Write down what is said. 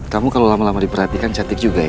kamu kalau lama lama diperhatikan cantik juga ya